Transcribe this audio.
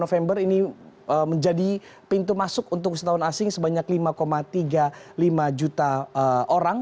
november ini menjadi pintu masuk untuk wisatawan asing sebanyak lima tiga puluh lima juta orang